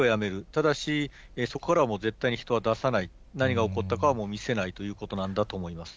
ただし、そこからはもう絶対に人は出さない、何が起こったかはもう見せないということなんだと思います。